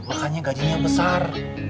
makanya gajinya besar